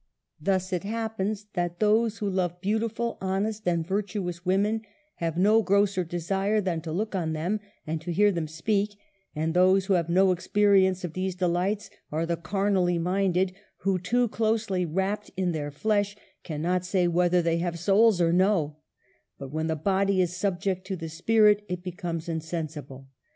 Thus it happens that those who love beautiful, honest, and virtuous women have no grosser desire than to look on them and to hear them speak; and those who have no experience of these delights are the carnally minded, who, too closely wrapt in their flesh, cannot say whether they have souls or no ; but when the body is subject to the spirit, it becomes insensible.